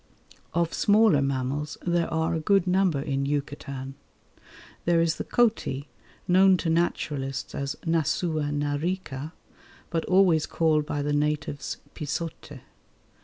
Of smaller mammals there are a good number in Yucatan. There is the coati, known to naturalists as Nasua narica, but always called by the natives pisote.